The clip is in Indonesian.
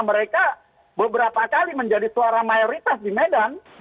mereka beberapa kali menjadi suara mayoritas di medan